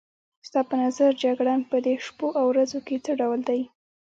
ستا په نظر جګړن په دې شپو او ورځو کې څه ډول دی؟